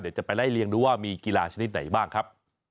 เดี๋ยวจะไปไล่เลียงดูว่ามีกีฬาชนิดไหนบ้างครับ